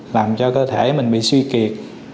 làm cho cơ thể mình bị suy kiệt